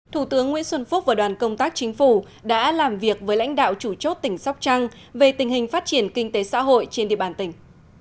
thủ tướng nguyễn xuân phúc và đoàn công tác chính phủ đã làm việc với lãnh đạo chủ chốt tỉnh sóc trăng về tình hình phát triển kinh tế xã hội trên địa bàn tỉnh